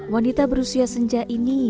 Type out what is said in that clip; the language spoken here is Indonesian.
wanita berusia senja ini